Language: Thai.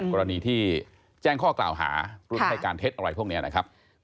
กรณีที่แจ้งข้อกล่าวหารุ่นให้การเท็จอะไรพวกนี้นะครับ